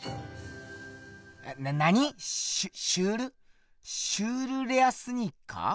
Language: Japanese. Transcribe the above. な何⁉シュシュールシュールレアスニーカー？